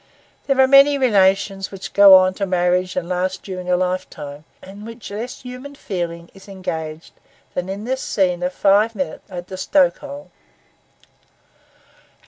There are many relations which go on to marriage and last during a lifetime, in which less human feeling is engaged than in this scene of five minutes at the stoke hole.